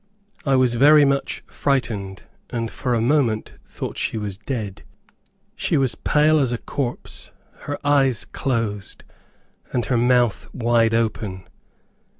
I was very much frightened, and for a moment, thought she was dead. She was pale as a corpse, her eyes closed, and her mouth wide open.